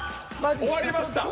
終わりました。